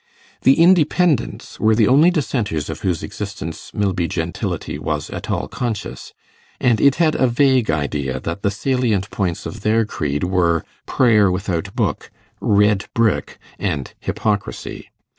The Independents were the only Dissenters of whose existence Milby gentility was at all conscious, and it had a vague idea that the salient points of their creed were prayer without book, red brick, and hypocrisy.